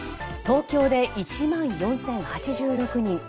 東京で１万４０８６人